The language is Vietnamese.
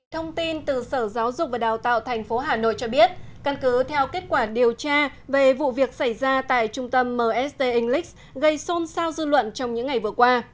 thông tin từ sở giáo dục và đào tạo tp hà nội cho biết căn cứ theo kết quả điều tra về vụ việc xảy ra tại trung tâm mst english gây xôn xao dư luận trong những ngày vừa qua